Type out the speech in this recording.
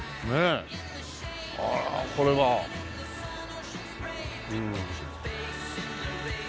あらこれは。うん。